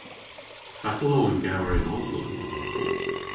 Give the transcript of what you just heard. Fatel o an gewer yn Oslo?